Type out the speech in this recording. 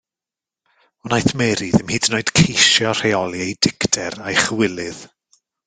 Wnaeth Mary ddim hyd yn oed ceisio rheoli ei dicter a'i chywilydd.